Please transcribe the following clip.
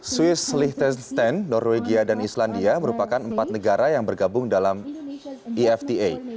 swiss littensten norwegia dan islandia merupakan empat negara yang bergabung dalam efta